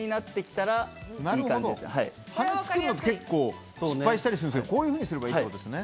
羽根作るのって結構失敗したりするんですけどこういう風にすればいいってことですね。